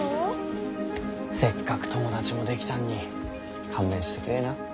せっかく友達もできたんに勘弁してくれいな。